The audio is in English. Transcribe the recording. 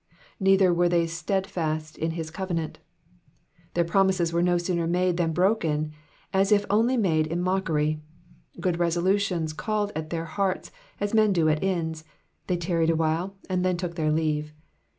^''Neither were they stedfast in his eovenant,^^ Their promises were no sooner made than broken, as if only made in mockery. Good resolutions called at their hearts as men do at inns ; they tarried awhile, and then took their leave.